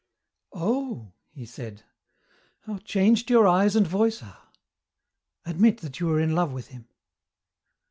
"Oh," he said, "how changed your eyes and voice are! Admit that you are in love with him."